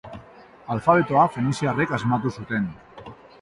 Alfabetoa feniziarrek asmatu zuten.